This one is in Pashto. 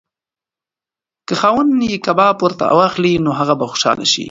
که خاوند یې کباب ورته واخلي نو هغه به خوشحاله شي.